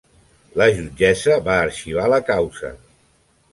La jutgessa va arxivar la causa.